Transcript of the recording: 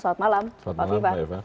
selamat malam pak viva